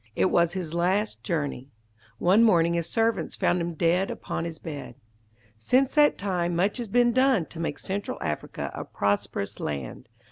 It was his last journey. One morning his servants found him dead upon his bed. Since that time much has been done to make Central Africa a prosperous land.